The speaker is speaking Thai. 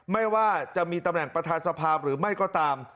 ไม่ว่าจะมีตำแหน่งประธานสภาพหรือไม่ก็ตาม